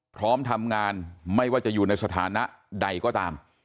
พร้อมทำงานไม่ว่าจะอยู่ในสถานะใดก็ตาม